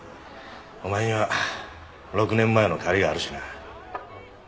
お前には６年前の借りがあるしな。